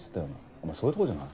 お前そういうとこじゃない？